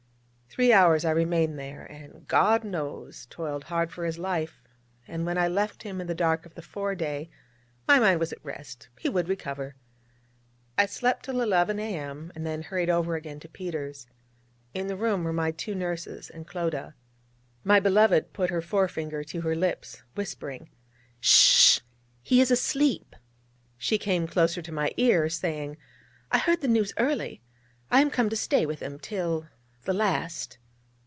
Three hours I remained there, and, God knows, toiled hard for his life: and when I left him in the dark of the fore day, my mind was at rest: he would recover. I slept till 11 A.M., and then hurried over again to Peters. In the room were my two nurses, and Clodagh. My beloved put her forefinger to her lips, whispering: 'Sh h h! he is asleep....' She came closer to my ear, saying: 'I heard the news early. I am come to stay with him, till the last....'